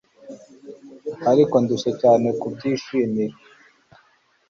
Ariko ndushye cyane kubyishimira